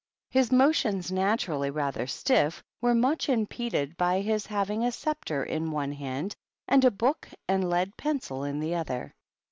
His motions, naturally rather stiff*, were much impeded by his having a sceptre in one hand and a book and lead pencil in the other.